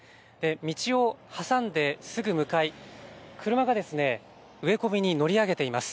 道を挟んですぐ向かい、車が植え込みに乗り上げています。